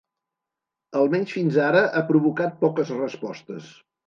Almenys fins ara ha provocat poques respostes.